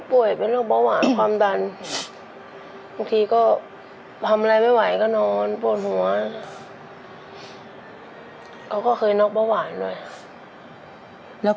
พี่ก็ต้องเป็นภาระของน้องของแม่อีกอย่างหนึ่ง